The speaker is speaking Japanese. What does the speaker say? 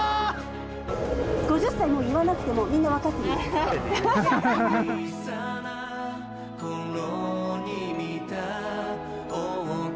５０歳って言わなくてもみんな分かってるから。